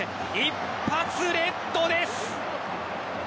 一発レッドです。